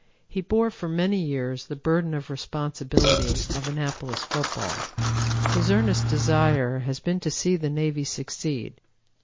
He bore for many years the burden of responsibility of Annapolis football. His earnest desire has been to see the Navy succeed.